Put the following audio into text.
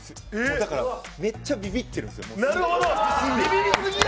だから、めっちゃびびってるんですよ。